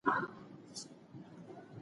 ما خپله څوکۍ بدله نه کړه.